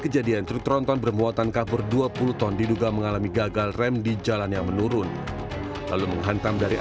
kejadian truk tronton bermuatan kabur dua puluh ton diduga mengalami gagal rem di jalan yang menurun lalu menghantam dari